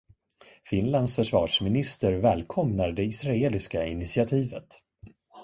Finlands försvarsminister välkomnar det israeliska initiativet.